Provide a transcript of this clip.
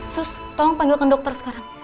terus tolong panggilkan dokter sekarang